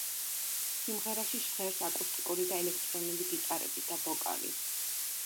სიმღერაში ჟღერს აკუსტიკური და ელექტრონული გიტარები და ვოკალი.